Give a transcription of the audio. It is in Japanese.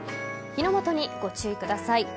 火の元にご注意ください。